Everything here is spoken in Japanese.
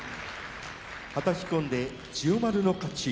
はたき込んで千代丸の勝ち。